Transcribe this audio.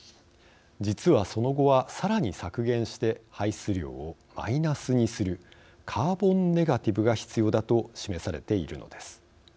実は、その後はさらに削減して排出量をマイナスにするカーボンネガティブが必要だと示されているのです。